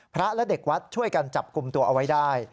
พระและเด็กวัดช่วยกันจับกลุ่มตัวเอาไว้ได้